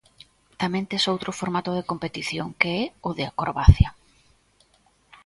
Tamén tes outro formato de competición, que é o de acrobacia.